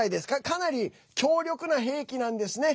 かなり強力な兵器なんですね。